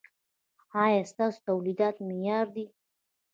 ایا ستاسو تولیدات معیاري دي؟